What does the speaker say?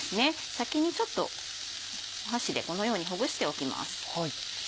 先に箸でこのようにほぐしておきます。